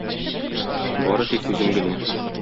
Бары тик үзем генә!